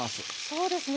そうですね。